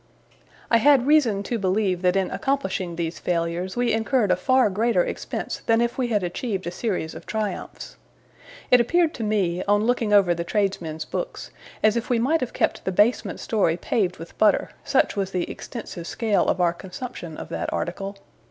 I had reason to believe that in accomplishing these failures we incurred a far greater expense than if we had achieved a series of triumphs. It appeared to me, on looking over the tradesmen's books, as if we might have kept the basement storey paved with butter, such was the extensive scale of our consumption of that article.